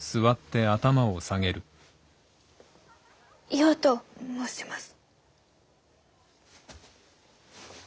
ようと申します。